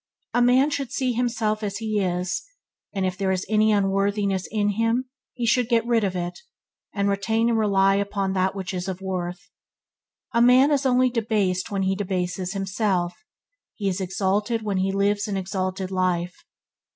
A man should see himself as he is, and if there is any unworthiness in him, he should get rid of it, and retain and rely upon that which is of worth. A man is only debased when he debases himself; he is exalted when he lives an exalted life.